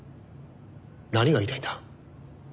何が言いたいんだ？